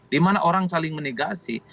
dimana orang saling menegasi